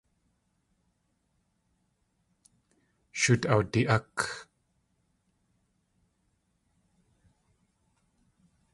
Shóot awdi.ák.